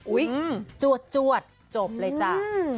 อุ๊ยจวดจบเลยจ้ะ